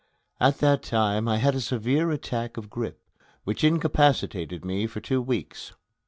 At that time I had a severe attack of grippe which incapacitated me for two weeks.